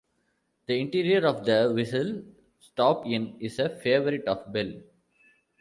The interior of the Whistle Stop Inn is a favourite of Bell.